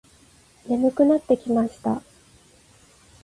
眠くなってきました。